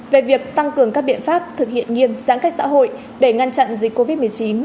về việc tăng cường các biện pháp thực hiện nghiêm giãn cách xã hội để ngăn chặn dịch covid một mươi chín